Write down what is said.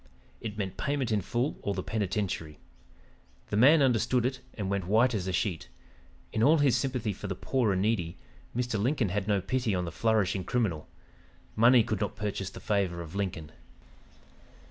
It meant payment in full or the penitentiary. The man understood it and went white as a sheet. In all his sympathy for the poor and needy, Mr. Lincoln had no pity on the flourishing criminal. Money could not purchase the favor of Lincoln.